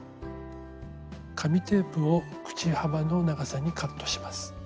紙テープを口幅の長さにカットします。